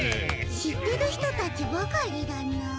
しってるひとたちばかりだな。